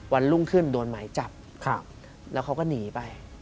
วันรุ่งขึ้นโดนหมายจับแล้วเขาก็หนีไป